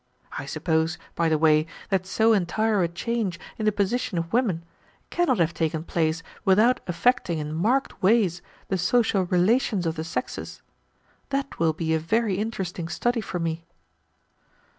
I suppose, by the way, that so entire a change in the position of women cannot have taken place without affecting in marked ways the social relations of the sexes. That will be a very interesting study for me."